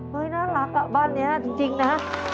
เฮ้ยน่ารักอะบ้านเนี่ยจริงนะ